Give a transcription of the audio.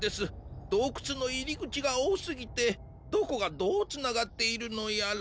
どうくつのいりぐちがおおすぎてどこがどうつながっているのやら。